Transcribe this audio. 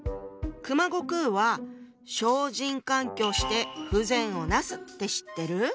熊悟空は「小人閑居して不善をなす」って知ってる？